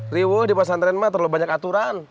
riwul di pesantren mah terlalu banyak aturan